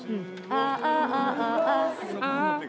「ああ」。